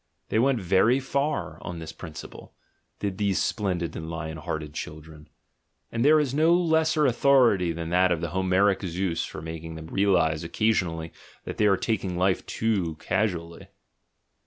They went very jar on this principle, did these splendid and lion hearted children; and there is no lesser authority than that of the Homeric Zeus for making them realise occasionally that they are taking life too casually.